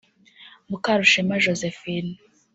Mukarushema Josephine